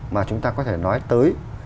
mà chúng ta có thể nói tới